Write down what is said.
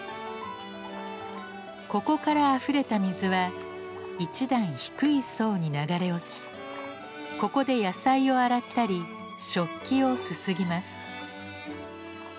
ここからあふれた水は一段低い槽に流れ落ちここで野菜を洗ったり食器をすすぎます。